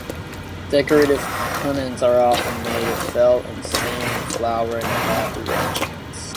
Decorative punnets are often made of felt and seen in flower and craft arrangements.